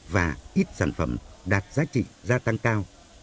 và ít sản phẩm đạt giá trị gia tăng cao